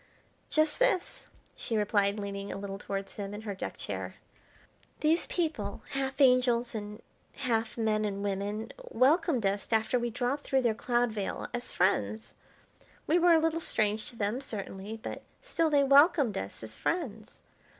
"Just this," she replied, leaning a little towards him in her deck chair. "These people, half angels, and half men and women, welcomed us after we dropped through their cloud veil, as friends; we were a little strange to them, certainly, but still they welcomed us as friends.